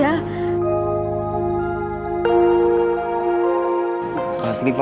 sampai maintaining di kita